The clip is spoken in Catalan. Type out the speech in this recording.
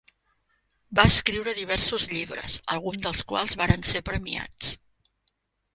Va escriure diversos llibres, alguns dels quals varen ser premiats.